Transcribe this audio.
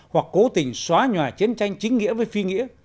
hoặc cố tình xóa nhòa chiến tranh chính nghĩa với phi nghĩa